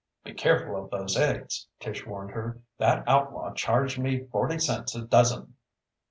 "Be careful of those eggs," Tish warned her. "That outlaw charged me forty cents a dozen."